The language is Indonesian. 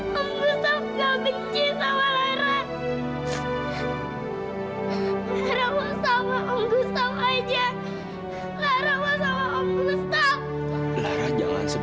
masak bistro j server dream